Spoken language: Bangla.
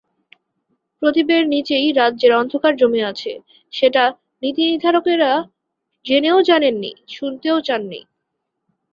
প্রদীপের নিচেই রাজ্যের অন্ধকার জমে আছে, সেটা নীতিনির্ধারকেরা জেনেও জানেননি, শুনতেও চাননি।